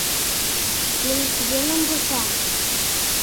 Илыш йӧным вуча?